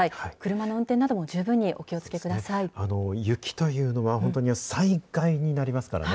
車の運転なども十分にお気をつけ雪というのは、本当に災害になりますからね。